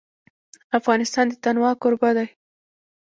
افغانستان د تنوع کوربه دی.